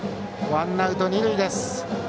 ワンアウト、二塁です。